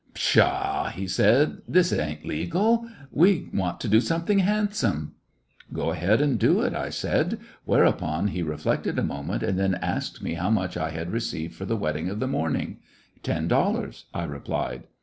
"Pshaw!" he said, "this ain't legal. We want to do something handsome." "Go ahead and do it," I said 5 whereupon he reflected a moment, and then asked me how much I had received for the wedding of the morning. "Ten dollars," I replied.